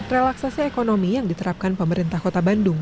relaksasi ekonomi yang diterapkan pemerintah kota bandung